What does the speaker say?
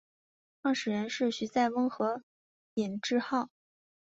创始人是徐载弼和尹致昊。